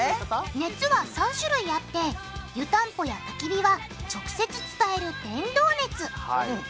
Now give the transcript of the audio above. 熱は３種類あって湯たんぽやたき火は直接伝える「伝導熱」。